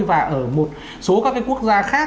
và ở một số các cái quốc gia khác